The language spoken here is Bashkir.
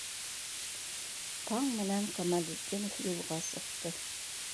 Таң менән Камалетдинов юлға сыҡты.